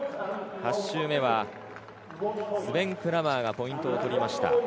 ８周目はスベン・クラマーがポイントを取りました。